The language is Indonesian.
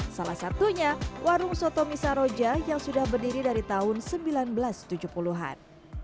salah satunya warung soto misaroja yang sudah berdiri dari tahun seribu sembilan ratus tujuh puluh an